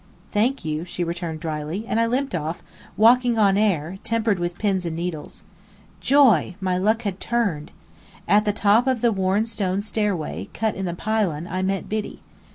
"Thank you," she returned dryly; and I limped off, walking on air, tempered with pins and needles. Joy! my luck had turned! At the top of the worn stone stairway, cut in the pylon, I met Biddy.